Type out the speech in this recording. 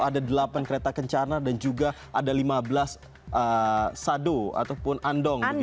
ada delapan kereta kencana dan juga ada lima belas sado ataupun andong